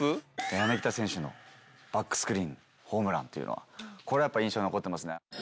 柳田選手のバックスクリーンホームランというのは、印象に残っていますね。